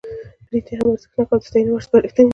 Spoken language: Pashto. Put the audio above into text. په رښتیا هم ارزښتناکه او د ستاینې وړ سپارښتنې دي.